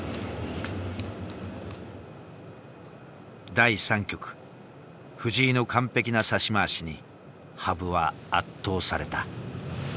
第３局藤井の完璧な指し回しに羽生は圧倒された。